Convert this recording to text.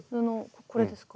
これですか？